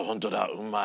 うまい。